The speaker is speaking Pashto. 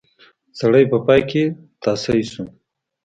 سړی په پای کې تاسی شو.